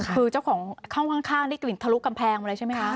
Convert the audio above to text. คือเจ้าของเข้าข้างได้กลิ่นทะลุกำแพงมาเลยใช่ไหมคะ